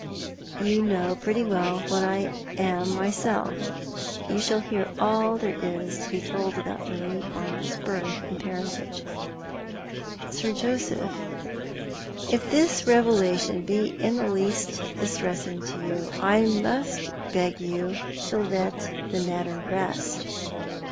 You know pretty well what I am myself. You shall hear all that there is to be told about Marie Arnold's birth and parentage." " Sir Joseph, if this revelation be in the least distressing to you I must beg you to let the matter rest.